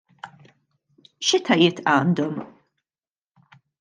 X'etajiet għandhom?